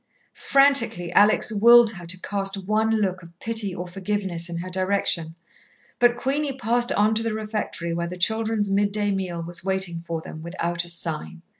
Frantically, Alex willed her to cast one look of pity or forgiveness in her direction, but Queenie passed on to the refectory where the children's mid day meal was waiting for them without a sign.